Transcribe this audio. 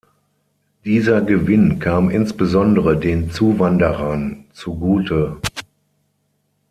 Dieser Gewinn kam insbesondere den Zuwanderern zugute.